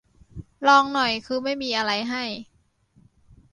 ลองหน่อย คือไม่มีอะไรให้